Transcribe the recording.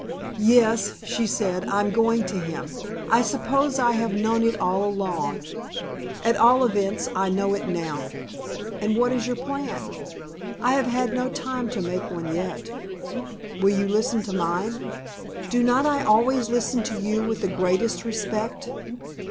"Yes," she said. "I am going to him. I suppose I have known it all along. At all events I know it now." "And what is your plan?" "I have had no time to make one yet." "Will you listen to mine?" "Do not I always listen to you with the greatest respect?"